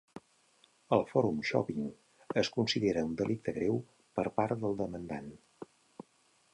El 'forum-shopping' es considera un delicte greu per part del demandant.